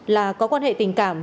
là có quan hệ tình cảm